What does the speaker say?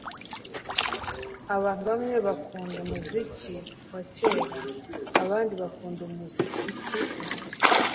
Abantu bamwe bakunda umuziki wa kera abandi bakunda umuziki uzwi